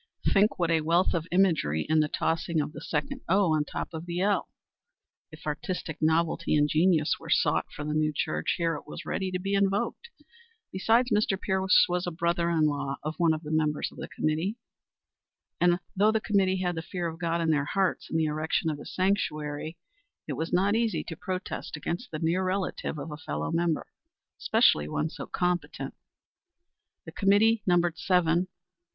Think what a wealth of imagery in the tossing of the second O on top of the L. If artistic novelty and genius were sought for the new church, here it was ready to be invoked. Besides, Mr. Pierce was a brother in law of one of the members of the committee, and, though the committee had the fear of God in their hearts in the erection of his sanctuary, it was not easy to protest against the near relative of a fellow member, especially one so competent. The committee numbered seven.